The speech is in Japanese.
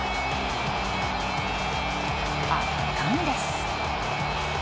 圧巻です。